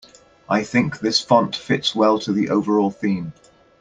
I think this font fits well to the overall theme.